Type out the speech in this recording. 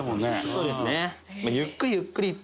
「そうですね」